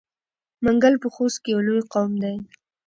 منګل په خوست کې یو لوی قوم دی.